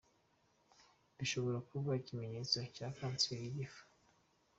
Bishobora kuba ikimenyetso cya kansiri y’igifu.